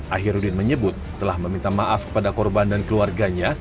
ahirudin menyebut telah meminta maaf kepada korban dan keluarganya